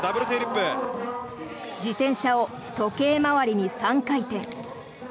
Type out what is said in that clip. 自転車を時計回りに３回転。